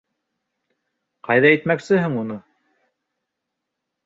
Ҡайҙа итмәксеһең уны?